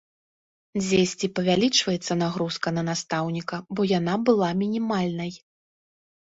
Дзесьці павялічваецца нагрузка на настаўніка, бо яна была мінімальнай.